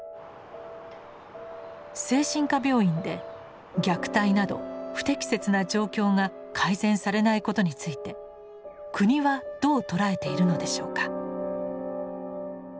精神科病院で虐待など不適切な状況が改善されないことについて国はどう捉えているのでしょうか。